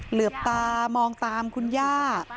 เหลือบตามองตามคุณย่า